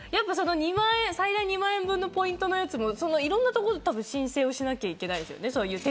最大２万円分のポイントのやつもいろんなところで申請しなきゃいけないんですよね？